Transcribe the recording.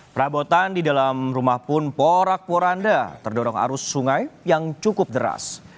perabotan di dalam rumah pun porak poranda terdorong arus sungai yang cukup deras